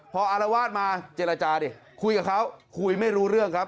พออารวาสมาเจรจาดิคุยกับเขาคุยไม่รู้เรื่องครับ